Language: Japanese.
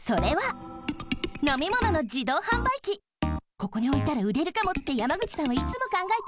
「ここにおいたらうれるかも」って山口さんはいつもかんがえています。